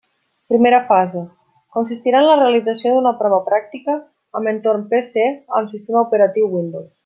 Primera fase: consistirà en la realització d'una prova pràctica amb entorn PC amb sistema operatiu Windows.